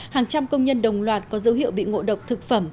hàng trăm công nhân đồng loạt có dấu hiệu bị ngộ độc thực phẩm